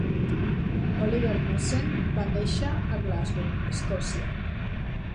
Oliver Knussen va néixer a Glasgow, Escòcia.